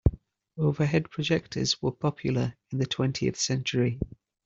Overhead projectors were popular in the twentieth century.